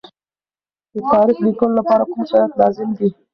د تاریخ لیکلو لپاره کوم شرایط لازم دي؟